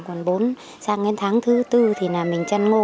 còn bốn tháng tháng thứ bốn thì mình chăn ngô